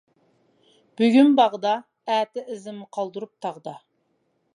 بۈگۈن باغدا، ئەتە ئىزىم قالدۇرۇپ تاغدا.